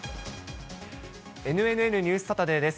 ＮＮＮニュースサタデーです。